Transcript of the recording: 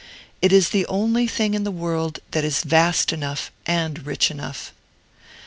It is the only thing in the world that is vast enough and rich enough.